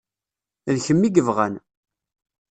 D kemm i yebɣan.